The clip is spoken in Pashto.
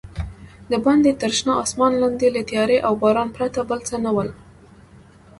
دباندې تر شنه اسمان لاندې له تیارې او بارانه پرته بل څه نه ول.